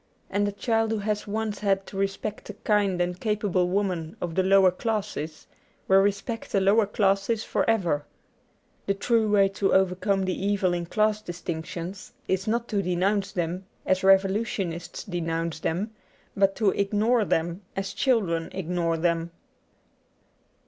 And a child who has once had to respect a kind and capable woman of the lower classes will respect the lower classes for ever. The true way to overcome the evil in class distinc tions is not to denounce them as revolutionists denounce them, but to ignore them as children ignore them.